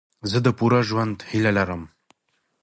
زه د پوره ژوند هیله لرم.